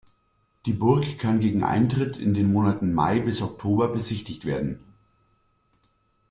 Die Burg kann gegen Eintritt in den Monaten Mai bis Oktober besichtigt werden.